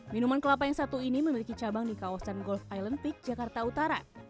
minuman kelapa yang satu ini memiliki cabang di kawasan gulf island peak jakarta utara